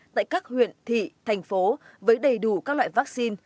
tại các huyện thị thành phố với đầy đủ các loại vaccine